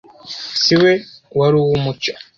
Si we wari uwo mucyo